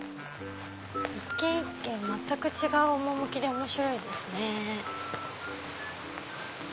一軒一軒全く違う趣で面白いですね。